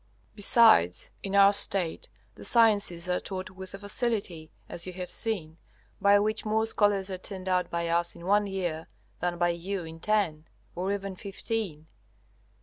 Besides in our State the sciences are taught with a facility (as you have seen) by which more scholars are turned out by us in one year than by you in ten, or even fifteen.